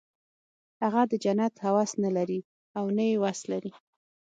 هغه د جنت هوس نه لري او نه یې وس لري